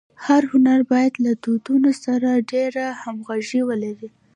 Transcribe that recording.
هر هنر باید له دودونو سره ډېره همږغي ولري.